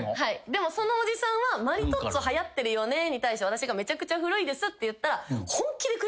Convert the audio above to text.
でもそのおじさんは「マリトッツォはやってるよね」に対して私がめちゃくちゃ古いですって言ったら。